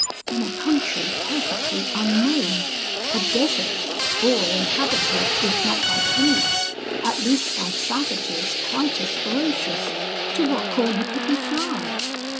In a country perfectly unknown, a desert, or inhabited, if not by brutes, at least by savages quite as ferocious, to what corner could we fly?